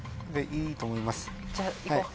じゃあいこう。